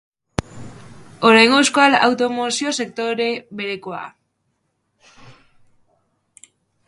Oraingo euskal automozio-sektore berekoa.